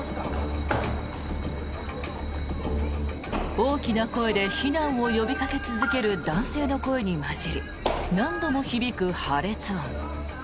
大きな声で避難を呼びかけ続ける男性の声に交じり何度も響く破裂音。